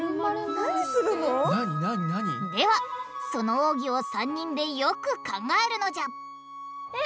何何何？ではその奥義を３人でよく考えるのじゃえ！